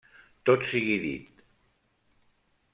Tot sigui dit: